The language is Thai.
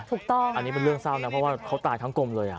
ถูกต้องอันนี้เป็นเรื่องเศร้านะเพราะว่าเขาตายทั้งกลมเลย